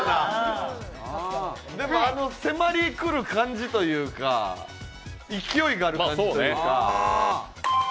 でも、あの迫り来る感じというか、勢いがある感じというか。